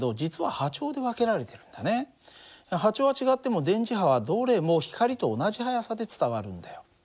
波長は違っても電磁波はどれも光と同じ速さで伝わるんだよ。